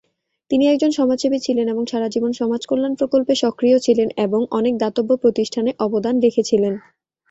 তিনি একজন সমাজসেবী ছিলেন এবং সারা জীবন সমাজকল্যাণ প্রকল্পে সক্রিয় ছিলেন এবং অনেক দাতব্য প্রতিষ্ঠানে অবদান রেখেছিলেন।